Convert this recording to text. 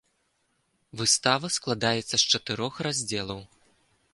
Выстава складаецца з чатырох раздзелаў.